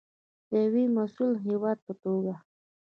د یو مسوول هیواد په توګه.